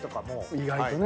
意外とね。